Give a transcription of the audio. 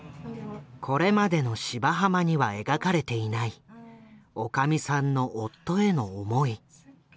これまでの「芝浜」には描かれていないおかみさんの夫への思い。